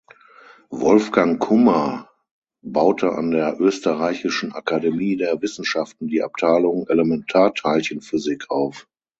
Wolfgang Kummer baute an der Österreichischen Akademie der Wissenschaften die Abteilung Elementarteilchenphysik auf.